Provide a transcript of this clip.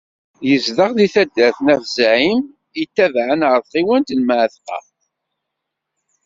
Yezdeɣ deg taddart n At Zεim, yetabaεen ɣer tɣiwant n Mεatqa.